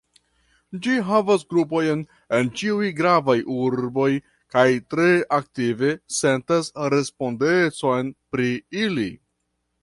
Ĝi havas grupojn en ĉiuj gravaj urboj, kaj tre aktive sentas respondecon pri ili.